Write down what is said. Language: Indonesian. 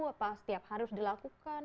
apa setiap harus dilakukan